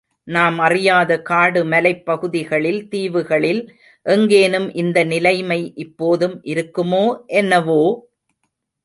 நாம் அறியாத காடு மலைப் பகுதிகளில் தீவுகளில் எங்கேனும் இந்த நிலைமை இப்போதும் இருக்குமோ என்னவோ!